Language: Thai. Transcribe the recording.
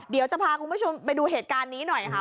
เดี๋ยวจะพาคุณผู้ชมไปดูเหตุการณ์นี้หน่อยค่ะ